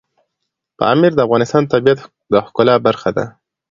پامیر د افغانستان د طبیعت د ښکلا برخه ده.